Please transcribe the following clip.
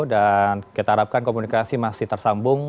dan kita harapkan komunikasi masih tersambung